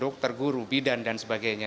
dokter guru bidan dan sebagainya